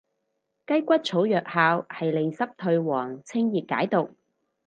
雞骨草藥效係利濕退黃清熱解毒